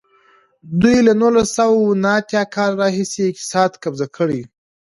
دوی له نولس سوه نهه اتیا کال راهیسې اقتصاد قبضه کړی.